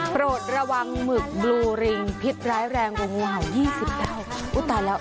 โปรดระวังหมึกบลูลิงพิษร้ายแรงวงวาวยี่สิบเก้าอุ๊ยตายแล้ว